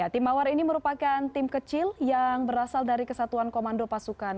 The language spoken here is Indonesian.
tim mawar ini merupakan tim kecil yang berasal dari kesatuan komando pasukan